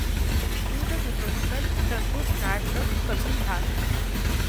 दूतघटोत्कच संस्कृत नाटक कवी भास